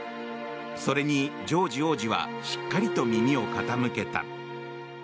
それにジョージ王子はしっかりと耳を傾けた。